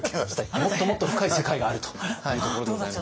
もっともっと深い世界があるというところでございますね。